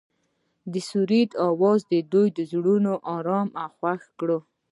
د سرود اواز د دوی زړونه ارامه او خوښ کړل.